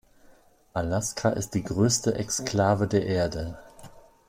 Alaska ist die größte Exklave der Erde.